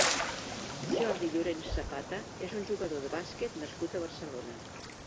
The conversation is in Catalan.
Jordi Llorens Zapata és un jugador de bàsquet nascut a Barcelona.